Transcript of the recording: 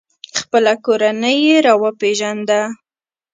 خپله کورنۍ یې را وپیژنده.